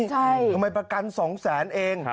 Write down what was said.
ทำไมประกัน๒๐๐๐๐๐บาทเอง